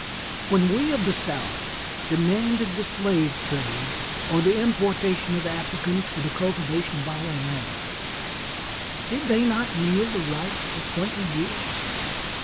When we of the South demanded the slave trade, or the importation of Africans for the cultivation of our lands, did they not yield the right for twenty years?